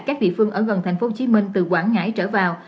các địa phương ở gần tp hcm từ quảng ngãi trở vào